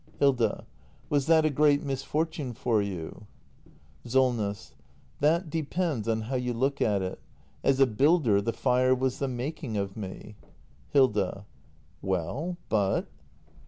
Hilda. Was that a great misfortune for you ? Solness. That depends on how you look at it. As a builder, the fire was the making of me Hilda. Well, but